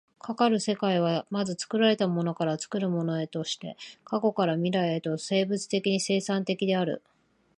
かかる世界は、まず作られたものから作るものへとして、過去から未来へとして生物的に生産的である。